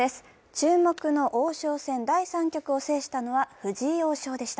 注目の王将戦第３局を制したのは藤井王将でした。